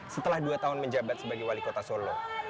setelah dua tahun menjabat sebagai wali kota solo